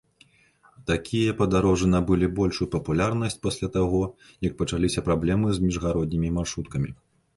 Такія падарожжы набылі большую папулярнасць пасля таго, як пачаліся праблемы з міжгароднімі маршруткамі.